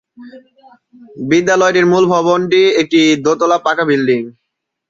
বিদ্যালয়টির মূল ভবনটি একটি দোতলা পাকা বিল্ডিং।